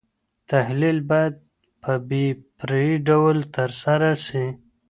تحلیل باید په بې پرې ډول ترسره سي.